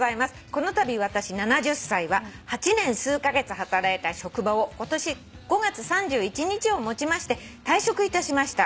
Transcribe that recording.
このたび私７０歳は８年数カ月働いた職場を今年５月３１日をもちまして退職いたしました。